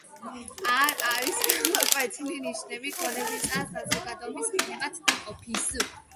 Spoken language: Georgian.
არ არის გამოკვეთილი ნიშნები ქონების ან საზოგადოების ფენებად დაყოფის.